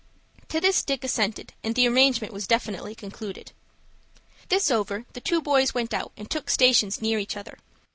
To this Dick assented, and the arrangement was definitely concluded. This over, the two boys went out and took stations near each other.